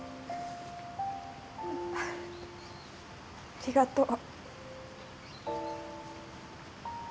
ありがとう。